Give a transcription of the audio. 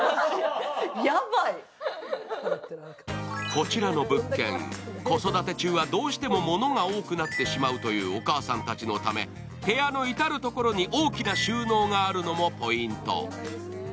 こちらの物件、子育て中はどうしても物が多くなってしまうというお母さんたちのため部屋の至る所に大きな収納があるのもポイント。